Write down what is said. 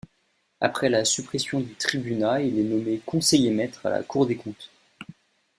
Après la suppression du Tribunat, il est nommé conseiller-maître à la Cour des comptes.